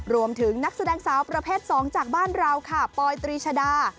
รวมถึงนักแสดงสาวประเภท๒จากบ้านเราปตรีชาดา